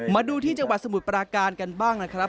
มาดูที่จังหวัดสมุทรปราการกันบ้างนะครับ